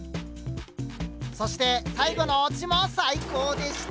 そして最後のオチも最高でした！